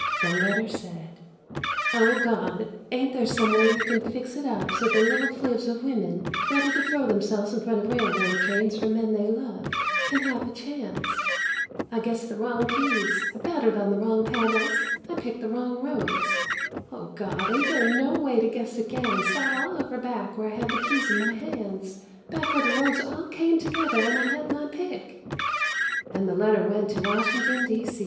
The letter said: God, ain't there some way you can fix it up so the little fiivs of women, ready to throw themselves in front of railroad trains for men they love, can have a chance? 1 guessed the wrong keys, I battered on the wrong panels, I picked the wrong roads. O God, ain't there no way to guess again and start all over back where I had the keys in my hands, back where the roads all came together and I had my pick? And the letter went to Washington, D.